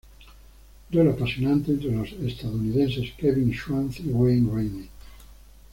Duelo apasionante entre los estadounidenses Kevin Schwantz y Wayne Rainey.